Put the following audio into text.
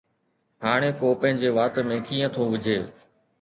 ھاڻي ڪو پنھنجي وات ۾ ڪيئن ٿو وجھي؟